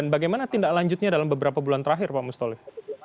bagaimana tindak lanjutnya dalam beberapa bulan terakhir pak mustoli